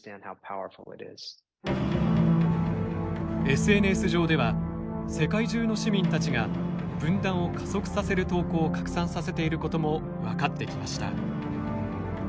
ＳＮＳ上では世界中の市民たちが分断を加速させる投稿を拡散させていることも分かってきました。